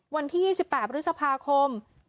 วันที่๒๘พฤษภาคม